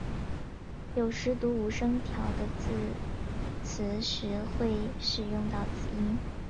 有时读无声调的字词时会使用到此音。